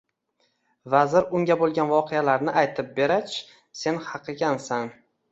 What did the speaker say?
Vazir unga boʻlgan voqealarni aytib berach, Sen haq ekansan